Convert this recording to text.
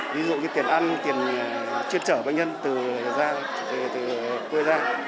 ví dụ như tiền ăn tiền chuyên trở bệnh nhân từ quê ra và những chi phí khác nữa